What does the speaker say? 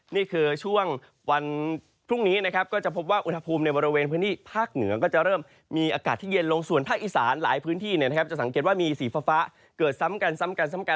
นี่คือช่วงวันพรุ่งนี้นะครับก็จะพบว่าอุณหภูมิในบริเวณพื้นที่ภาคเหนือก็จะเริ่มมีอากาศที่เย็นลงส่วนภาคอีสานหลายพื้นที่จะสังเกตว่ามีสีฟ้าเกิดซ้ำกันซ้ำกันซ้ำกัน